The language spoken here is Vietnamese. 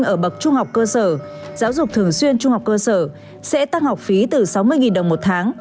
ở bậc trung học cơ sở giáo dục thường xuyên trung học cơ sở sẽ tăng học phí từ sáu mươi đồng một tháng